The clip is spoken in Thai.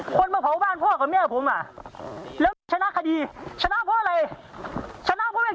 ฆ่าตำรวจฆ่าตำรวจ